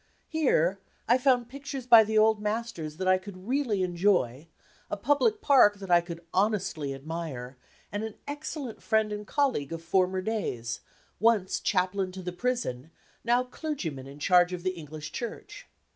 Here, I found pictures by the old masters that I could really enjoy, a public park that I could honestly admire, and an excellent friend and colleague of former days; once chaplain to the prison, now clergyman in charge of the English Church.